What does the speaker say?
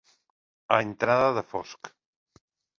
A entrada de fosc.